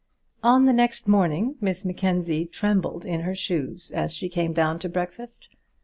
On the next morning Miss Mackenzie trembled in her shoes as she came down to breakfast.